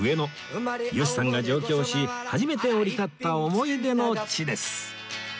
吉さんが上京し初めて降り立った思い出の地です